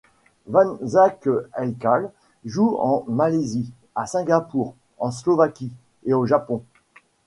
Wan Zack Haikal joue en Malaisie, à Singapour, en Slovaquie, et au Japon.